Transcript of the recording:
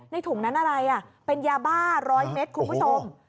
ถุงนั้นอะไรเป็นยาบ้า๑๐๐เมตรคุณผู้ชม